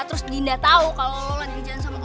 terus dinda tahu kalo lo lagi jalan sama oka